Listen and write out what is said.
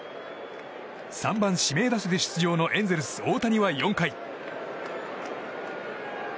３番指名打者で出場のエンゼルス大谷は４回。